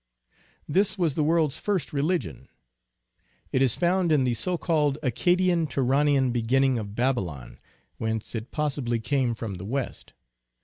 This was the world s first religion ; it is found in the so called Accadian Turanian beginning of Babylon, whence it possibly came from the West.